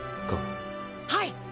はい！